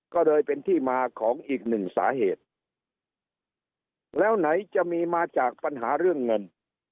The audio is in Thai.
ก็เลยเป็นที่มาของอีกหนึ่งสาเหตุแล้วไหนจะมีมาจากปัญหาเรื่องเงิน